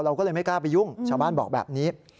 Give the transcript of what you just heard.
ก็เลยไม่กล้าไปยุ่งชาวบ้านบอกแบบนี้